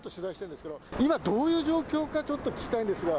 今、どういう状況か、ちょっと聞きたいんですが。